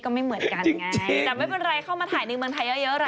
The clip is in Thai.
ก็ไม่เหมือนกันไงแต่ไม่เป็นไรเข้ามาถ่ายหนึ่งเมืองไทยเยอะ